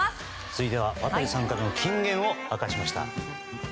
続いては渡さんからの金言を明かしました。